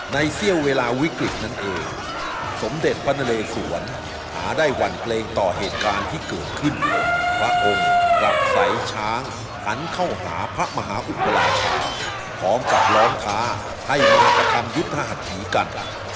เสี้ยวเวลาวิกฤตนั่นเองสมเด็จพระนเลสวนหาได้หวั่นเกรงต่อเหตุการณ์ที่เกิดขึ้นพระองค์กลับเสาช้างหันเข้าหาพระมหาอุปราชาพร้อมกับร้องค้าให้มากระทำยุทธหัสถีกัน